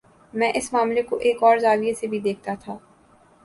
میں اس معاملے کوایک اور زاویے سے بھی دیکھتا تھا۔